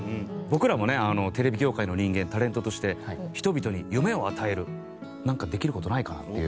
僕らもねテレビ業界の人間タレントとして人々に夢を与えるなんかできる事ないかなっていう。